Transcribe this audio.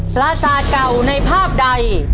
พระสาทเก่าในภาพใด